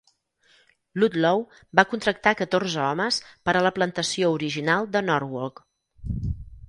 Ludlow va contractar catorze homes per a la plantació original de Norwalk.